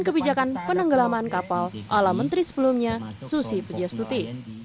kebijakan penenggelaman kapal ala menteri sebelumnya susi pujias tuti